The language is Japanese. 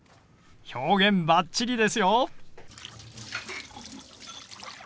表現バッチリですよ！